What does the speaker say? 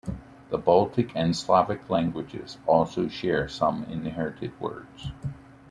The Baltic and Slavic languages also share some inherited words.